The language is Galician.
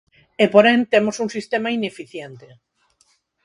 E, porén, temos un sistema ineficiente.